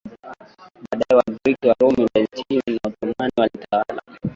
Baadaye Wagiriki Warumi Byzantine na Ottoman walitawala